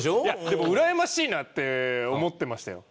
でもうらやましいなって思ってましたよ。